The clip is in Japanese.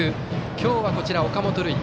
今日は岡本琉奨。